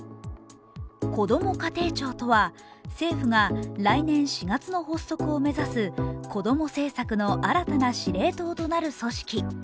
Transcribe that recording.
こども家庭庁とは、政府が来年４月の発足を目指す子ども政策の新たな指令塔となる組織。